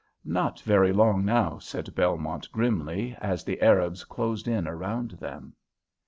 "Not very long now," said Belmont, grimly, as the Arabs closed in around them.